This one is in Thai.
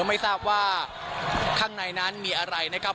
ไม่ทราบว่าข้างในนั้นมีอะไรนะครับ